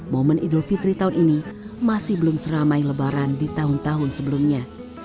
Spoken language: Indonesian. momen idul fitri tahun ini masih belum seramai lebaran di tahun tahun sebelumnya